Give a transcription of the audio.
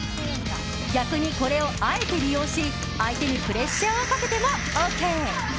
逆にこれをあえて利用し相手にプレッシャーをかけてもＯＫ。